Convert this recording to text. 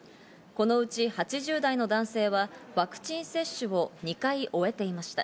このうち８０代の男性はワクチン接種を２回終えていました。